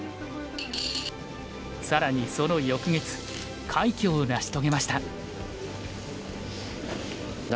更にその翌月快挙を成し遂げました。